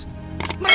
mereka tuh sederajat